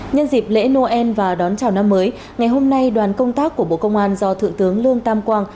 nhân dịp lễ noel và đón chào năm mới ngày hôm nay đoàn công tác của bộ công an do thượng tướng lương tam quang